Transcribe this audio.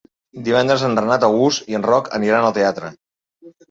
Divendres en Renat August i en Roc aniran al teatre.